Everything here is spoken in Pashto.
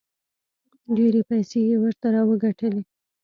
ډېرې پیسې یې ورته راوګټلې.